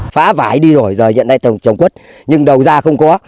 phá vải đi đổi rồi nhận lại trồng quất nhưng đầu ra không có